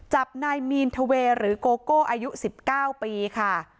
จับนายมีนเทวร์หรือโกโก้อายุสิบเก้าปีค่ะ